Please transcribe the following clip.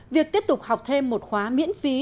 việc tiếp tục học thêm một khóa miễn phí